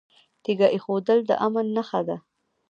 تیږه ایښودل د امن نښه ده